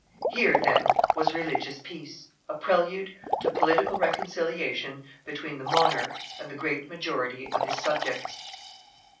Here, then, was religious peace, a prelude to political reconciliation between the monarch and the great majority of his subjects.